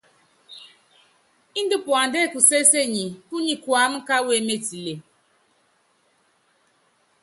Índɛ puandá ékusésenyi, púnyi kuáma káwɔ émetile.